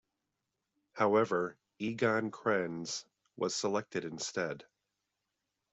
However, Egon Krenz was selected instead.